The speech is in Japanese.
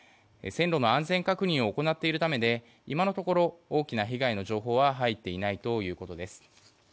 線路の安全確認を行っているためで今のところ大きな被害の情報は入っていないということです。